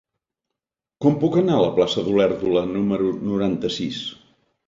Com puc anar a la plaça d'Olèrdola número noranta-sis?